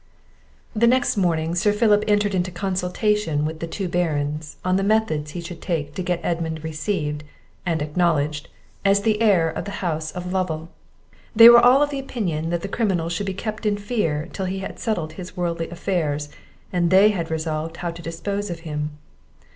The next morning Sir Philip entered into consultation with the two Barons, on the methods he should take to get Edmund received, and acknowledged, as heir of the house of Lovel. They were all of opinion, that the criminal should be kept in fear till he had settled his worldly affairs, and they had resolved how to dispose of him.